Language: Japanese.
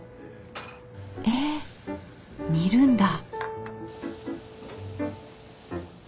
え煮るんだ。